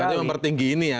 berarti mempertinggi ini ya